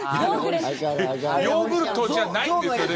ヨーグルトじゃないんですよね。